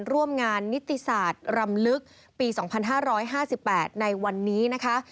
ร่วมงานนิติศาสตร์รำลึกปี๒๕๕๘ในวันนี้นะคะ